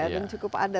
dan cukup ada